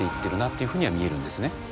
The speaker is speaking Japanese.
いうふうには見えるんですね。